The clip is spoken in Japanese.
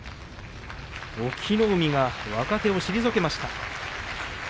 隠岐の海が若手を退けました。